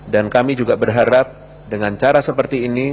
dan kami juga berharap dengan cara seperti ini